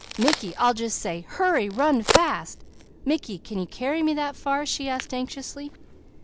"Mickey, I'll just say, 'Hurry! Run fast!' Mickey, can you carry me that far?" she asked anxiously.